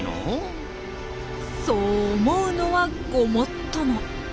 そう思うのはごもっとも。